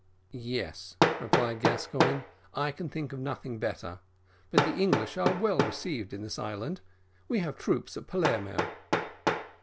"Yes," replied Gascoigne; "I can think of nothing better. But the English are well received in this island; we have troops at Palermo."